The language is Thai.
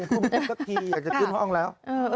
พูดไม่จบสักทีอยากจะขึ้นห้องแล้ว